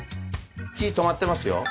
火止まってますよ。